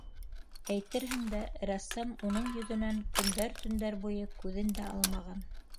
Әйтерһең дә, рәссам уның йөҙөнән көндәр-төндәр буйы күҙен дә алмаған.